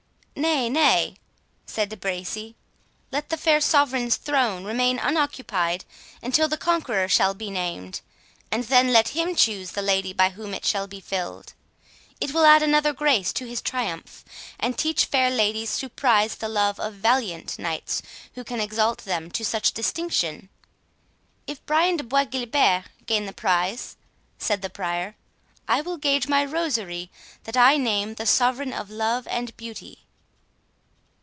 "Nay, nay," said De Bracy, "let the fair sovereign's throne remain unoccupied, until the conqueror shall be named, and then let him choose the lady by whom it shall be filled. It will add another grace to his triumph, and teach fair ladies to prize the love of valiant knights, who can exalt them to such distinction." "If Brian de Bois Guilbert gain the prize," said the Prior, "I will gage my rosary that I name the Sovereign of Love and Beauty."